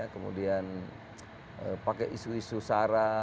kemudian pakai isu isu sara